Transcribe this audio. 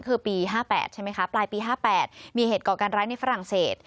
คือปี๕๘ใช่ไหมคะปลายปี๕๘มีเหตุก่อการร้ายในฝรั่งเศส